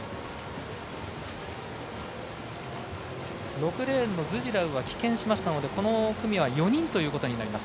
６レーンのズジラウは棄権しましたのでこの組は４人ということになります。